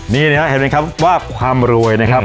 นี่นะครับเห็นไหมครับว่าความรวยนะครับ